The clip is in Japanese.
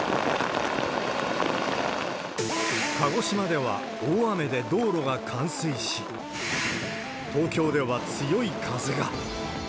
鹿児島では大雨で道路が冠水し、東京では強い風が。